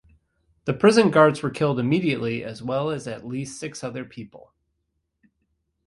The prison guards were killed immediately as well as at least six other people.